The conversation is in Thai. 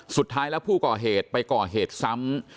สุดท้ายแล้วผู้ก่อเหตุไปก่อเหตุซ้ำ